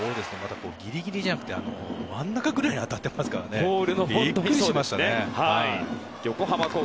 ギリギリじゃなくて真ん中ぐらいに当たってますからビックリしましたね。